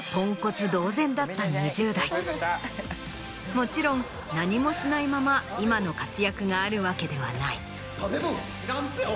もちろん何もしないまま今の活躍があるわけではない。